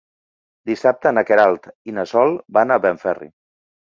Dissabte na Queralt i na Sol van a Benferri.